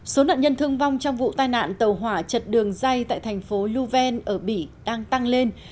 số nạn nhân thương vong trong vụ tai nạn tàu hỏa chật đường dây tại thành phố luven ở bỉ đang tăng lên